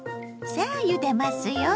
さあゆでますよ。